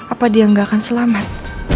apa dia nggak akan selamat